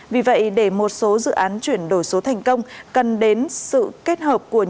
vì vậy để một số dự án chuyển đổi số thành công cần đến sự kết hợp của